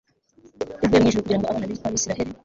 ivuye mu ijuru kugira ngo abana bAbisiraheli